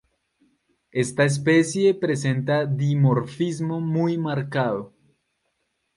Esta especie presenta dimorfismo muy marcado.